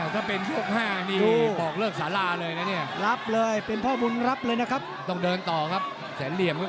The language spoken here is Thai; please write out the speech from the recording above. ถ้าเป็นโชคห้าปอกเลิกสาราเลยนะเนี่ย